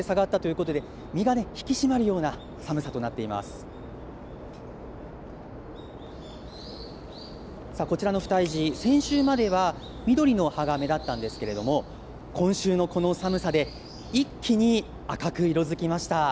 こちらの不退寺、先週までは緑の葉が目立ったんですけれども、今週のこの寒さで、一気に赤く色づきました。